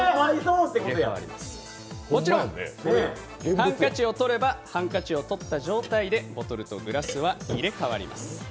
もちろんハンカチをとればハンカチをとった状態でボトルとグラスは入れかわります。